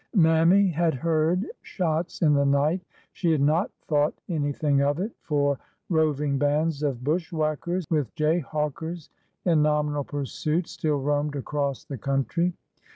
Mammy had heard shots in the night. She had not thought anything of it, for roving bands of bushwhackers with jayhawkers in nominal pursuit still roamed across the country.